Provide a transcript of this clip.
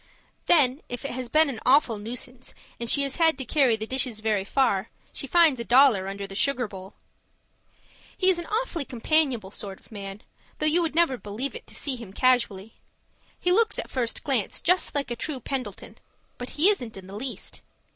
Then if it has been an awful nuisance, and she has had to carry the dishes very far, she finds a dollar under the sugar bowl. He is an awfully companionable sort of man, though you would never believe it to see him casually; he looks at first glance like a true Pendleton, but he isn't in the least.